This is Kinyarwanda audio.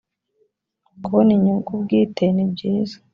kubona inyungu bwite nibyiza